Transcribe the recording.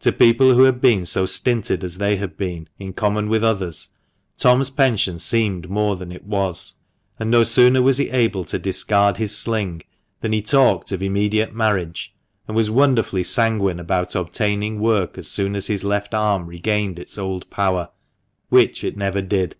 To people who had been so stinted as they had been, in common with others, Tom's pension seemed more than it was ; and no sooner was he able to discard his sling than he talked of immediate marriage, and was wonderfully sanguine about obtaining work as soon as his left arm 154 THE MANCHESTER MAN. regained its old power — which it never did.